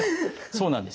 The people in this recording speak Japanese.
そうなんです。